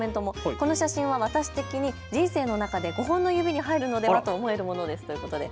この写真は私的に人生の中で５本の指に入るのではと思えるとのことです。